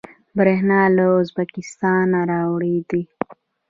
بریښنا له ازبکستان واردوي